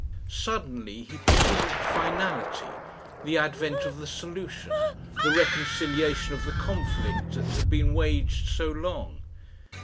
Suddenly he perceived finality, the advent of the solution, the reconciliation of the conflict that had been waged so long.